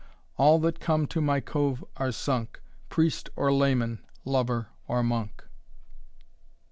All that come to my cove are sunk, Priest or layman, lover or monk."